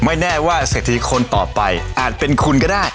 แน่ว่าเศรษฐีคนต่อไปอาจเป็นคุณก็ได้